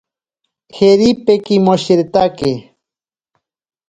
Jeripe kimoshiretake.